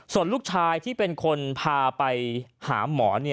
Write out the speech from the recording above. ส่วนลูกชายที่เป็นคนพาไปหาหมอ